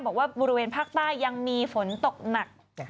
บอกว่าบริเวณภาคใต้ยังมีฝนตกหนัก